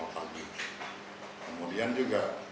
kemudian di jalan kayu besar